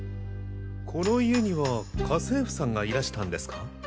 この家には家政婦さんがいらしたんですか？